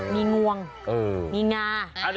มีงวงมีงา